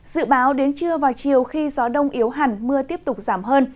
dự báo đến trưa vào chiều khi gió đông yếu hẳn mưa tiếp tục giảm hơn